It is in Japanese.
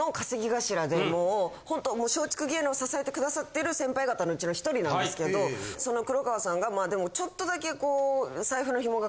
ホントもう松竹芸能を支えてくださってる先輩方のうちの１人なんですけどその黒川さんがちょっとだけ。